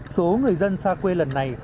số người dân xa quê lần này